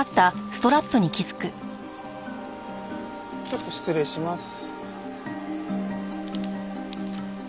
ちょっと失礼します。